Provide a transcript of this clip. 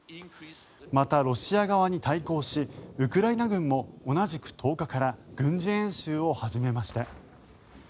また、ロシア側に対抗しウクライナ軍も同じく１０日から軍事演習を始めました。